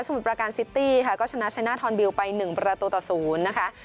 สมุทรประการซิตี้ค่ะก็ชนะชัยหน้าทอนบิลไปหนึ่งประตูต่อศูนย์นะคะ